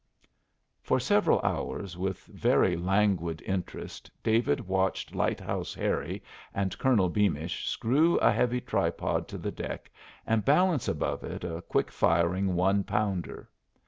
For several hours with very languid interest David watched Lighthouse Harry and Colonel Beamish screw a heavy tripod to the deck and balance above it a quick firing one pounder.